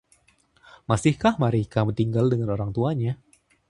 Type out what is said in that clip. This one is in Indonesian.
Masihkah Marika tinggal dengan orang tuanya?